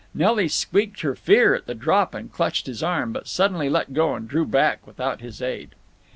Nelly squeaked her fear at the drop and clutched his arm, but suddenly let go and drew back without his aid.